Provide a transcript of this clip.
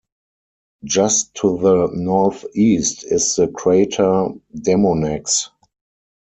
Just to the northeast is the crater Demonax.